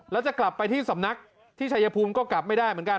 แล้วจะกลับไปที่สำนักที่ชายภูมิก็กลับไม่ได้เหมือนกัน